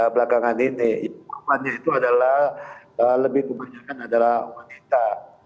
belakangan ini korbannya itu adalah lebih kebanyakan adalah wanita